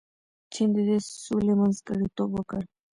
چین د دې سولې منځګړیتوب وکړ.